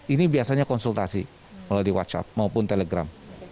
ini biasanya konsultasi melalui whatsapp maupun telegram